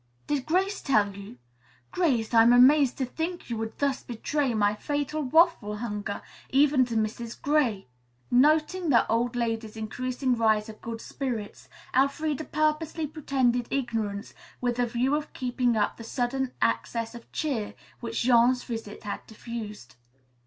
"Did Grace tell you? Grace, I'm amazed to think you would thus betray my fatal waffle hunger, even to Mrs. Gray." Noting the old lady's increasing rise of good spirits, Elfreda purposely pretended ignorance with a view of keeping up the sudden access of cheer which Jean's visit had diffused.